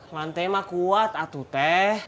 lantai mah kuat atuteh